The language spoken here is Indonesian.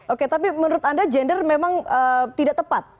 oke tapi menurut anda gender memang tidak tepat